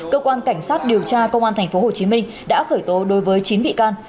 cơ quan cảnh sát điều tra công an tp hcm đã khởi tố đối với chín bị can